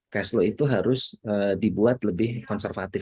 cash flow itu harus dibuat lebih konservatif